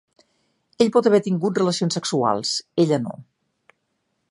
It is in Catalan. Ell pot haver tingut relacions sexuals, ella no.